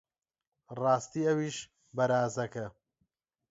ڕاستی ئەویش بەرازەکە!